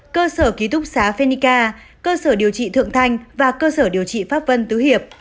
cơ sở ký túc xá phenica cơ sở điều trị thượng thanh và cơ sở điều trị pháp vân tứ hiệp